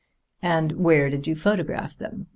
"And where did you photograph them?